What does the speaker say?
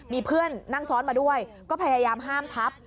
มีเพื่อนนั่งซ้อนมาด้วยก็พยายามห้ามทับ